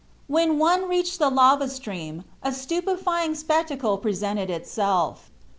When one reached the lava stream a stupefying spectacle presented itself.